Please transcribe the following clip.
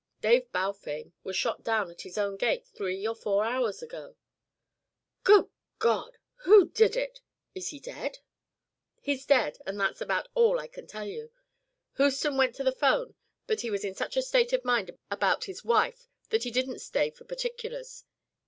"Dave Balfame was shot down at his own gate three or four hours ago." "Good God! Who did it? Is he dead?" "He's dead, and that's about all I can tell you. Houston went to the 'phone but he was in such a state of mind about his wife that he didn't stay for particulars.